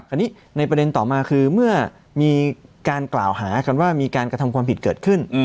ในประเด็นต่อมาคือเมื่อมีการกล่าวหากันว่ามีการกระทำความผิดเกิดขึ้น